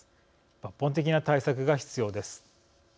抜本的な対策が必要です。